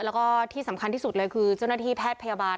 แล้วก็ที่สำคัญที่สุดเลยคือเจ้าหน้าที่แพทย์พยาบาล